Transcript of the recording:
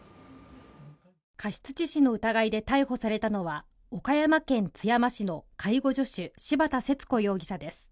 過失致死の疑いで逮捕されたのは岡山県津山市の介護助手・柴田節子容疑者です。